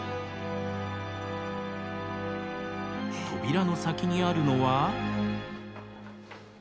扉の先にあるのは。